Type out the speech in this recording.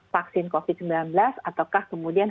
vaksin covid sembilan belas ataukah kemudian